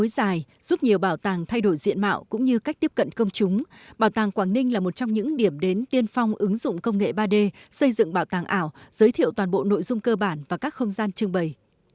giúp nhiều bảo tàng thay đổi diện mạo cũng như cách tiếp cận công chúng bảo tàng quảng ninh là một trong những điểm đến tiên phong ứng dụng công nghệ ba d xây dựng bảo tàng ảo giới thiệu toàn bộ nội dung cơ bản và các không gian trưng bày